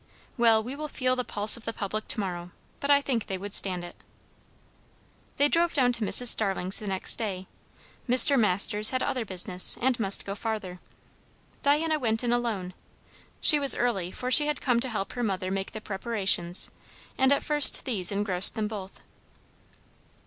"Well, we will feel the pulse of the public to morrow. But I think they would stand it." They drove down to Mrs. Starling's the next day. Mr. Masters had other business, and must go farther. Diana went in alone. She was early, for she had come to help her mother make the preparations; and at first these engrossed them both.